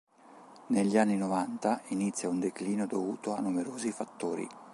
Negli anni novanta inizia un declino dovuto a numerosi fattori.